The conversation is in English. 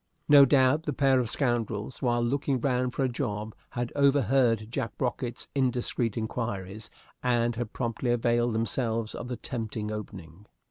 No doubt the pair of scoundrels, while looking round for a job, had overheard Jack Brocket's indiscreet inquiries, and had promptly availed themselves of the tempting opening.